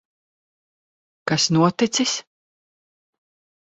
Kas noticis?